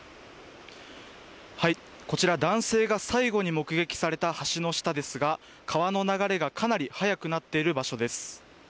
こちら、男性が最後に目撃された橋の下ですが川の流れがかなり速くなっている場所です。